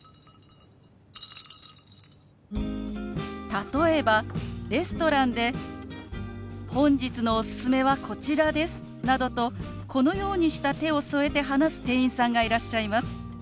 例えばレストランで「本日のおすすめはこちらです」などとこのようにした手を添えて話す店員さんがいらっしゃいます。